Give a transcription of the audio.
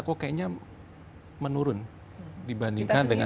kok kayaknya menurun dibandingkan dengan